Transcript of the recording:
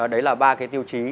đấy là ba cái tiêu chí